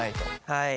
はい。